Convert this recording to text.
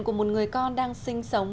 của một người con đang sinh sống